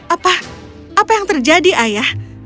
apa apa yang terjadi ayah